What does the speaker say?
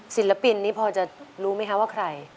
ศิลปินนี้พอจะรู้ไหมคะว่าใคร